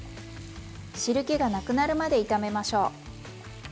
汁けがなくなるまで炒めましょう。